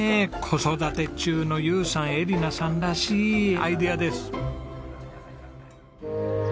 子育て中の友さん恵梨奈さんらしいアイデアです。